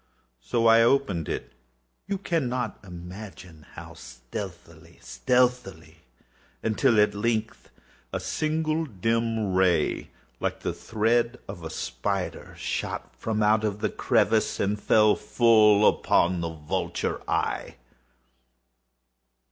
So I opened it—you cannot imagine how stealthily, stealthily—until, at length a simple dim ray, like the thread of the spider, shot from out the crevice and fell full upon the vulture eye.